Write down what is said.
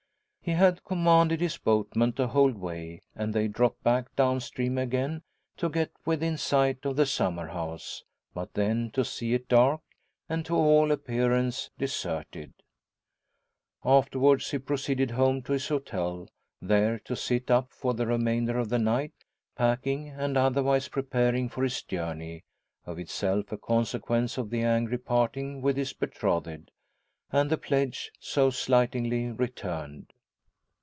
He had commanded his boatman to hold way, and they dropped back down stream again to get within sight of the summer house, but then to see it dark, and to all appearance deserted. Afterwards he proceeded home to his hotel, there to sit up for the remainder of the night, packing and otherwise preparing for his journey of itself a consequence of the angry parting with his betrothed, and the pledge so slightingly returned.